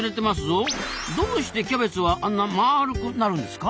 どうしてキャベツはあんなまるくなるんですか？